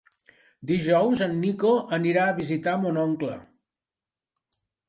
Dijous en Nico anirà a visitar mon oncle.